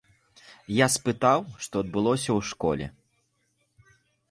Я спытаў, што адбылося ў школе.